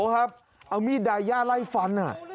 แหมดย่าไล่ฟัน